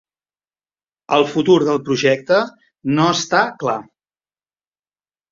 El futur del projecte no està clar.